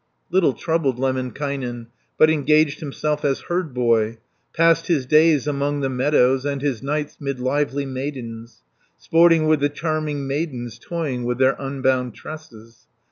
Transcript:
Little troubled Lemminkainen, But engaged himself as herd boy, Passed his days among the meadows, And his nights 'mid lively maidens, Sporting with the charming maidens, Toying with their unbound tresses.